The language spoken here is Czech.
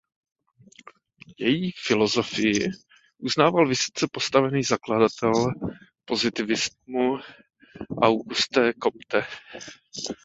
Její filozofii uznával vysoce postavený zakladatel pozitivismu Auguste Comte.